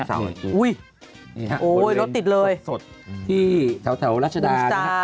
โอ้ยระเบียนสดที่แถวราชดา